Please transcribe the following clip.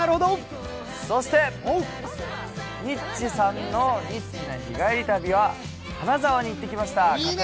そして、ニッチェさんの「ニッチな日帰り旅行」は金沢に行ってきました。